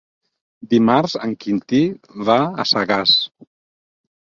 Dimarts en Quintí va a Sagàs.